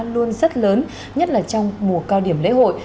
luôn rất lớn nhất là trong mùa cao điểm lễ hội